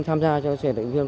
tham gia cho sinh hoạt hai chiều